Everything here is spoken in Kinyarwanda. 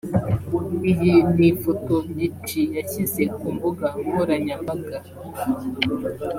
Iyi ni ifoto Lil G yashyize ku mbuga nkoranyambaga